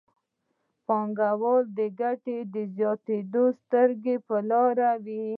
پانګوال د ګټې زیاتېدو ته سترګې په لاره وي.